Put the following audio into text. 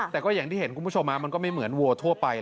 แต่ก็อย่างที่เห็นคุณผู้ชมมันก็ไม่เหมือนวัวทั่วไป